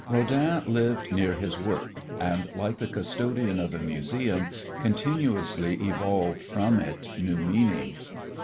Rodin lived near his work and, like the custodian of a Museum, continuously evolved from it new meanings.